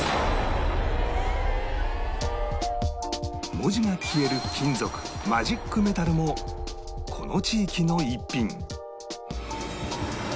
文字が消える金属マジックメタルもこの地域の逸品